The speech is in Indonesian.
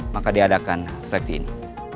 maka diadakan seleksi ini